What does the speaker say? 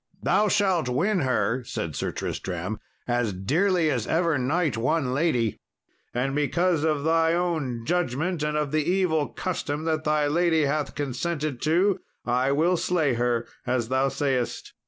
"Thou shalt win her," said Sir Tristram, "as dearly as ever knight won lady; and because of thy own judgment and of the evil custom that thy lady hath consented to, I will slay her as thou sayest."